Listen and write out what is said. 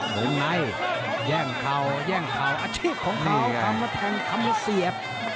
หรือไงแย่งเขาแย่งเขาอาชีพของเขาคำว่าแทงคำว่าเสียบ